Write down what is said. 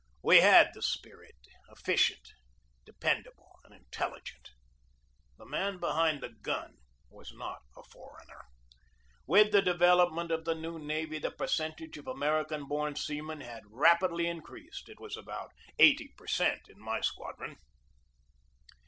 We had the spirit efficient, dependable, and intelligent. "The man behind the gun" was not a foreigner. With the development of the new navy the percentage of 230 GEORGE DEWEY American born seamen had rapidly increased. It was about eighty per cent in my squadron.